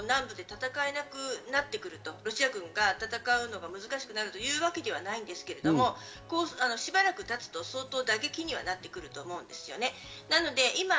ただちに南部で戦えなくなってくるロシア軍が戦うのが難しくなるというわけではないんですけど、しばらく経つと相当打撃になってくると思うんですよね。